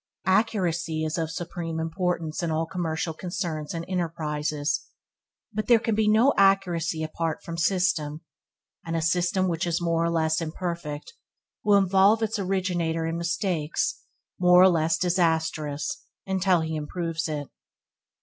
Accuracy is of supreme importance in all commercial concerns and enterprises, but there can be no accuracy apart from system, and a system which is more or less imperfect will involve its originator in mistakes more or less disastrous until he improves it.